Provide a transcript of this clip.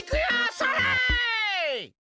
それ！